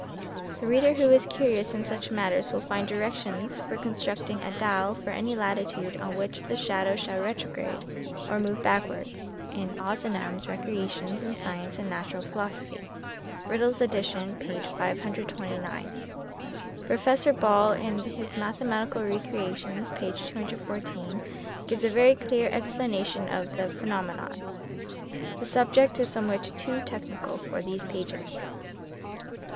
The reader who is curious in such matters will find direc tions for constructing "a dial, for any latitude, on which the shadow shall retrograde or move backwards," in Ozanam's " Recreations in Science and Natural Philosophy," Riddle's edition, page 5 29. Professor Ball in his " Mathe matical Recreations," page 214, gives a very clear explana tion of the phenomenon. The subject is somewhat too technical for these pages.